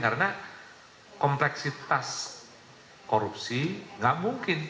karena kompleksitas korupsi tidak mungkin